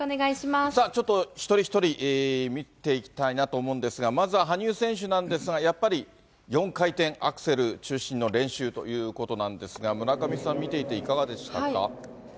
ちょっと、一人一人見ていきたいなと思うんですが、まずは羽生選手なんですが、やっぱり４回転アクセル中心の練習ということなんですが、村上さん、見ていていかがでしたか？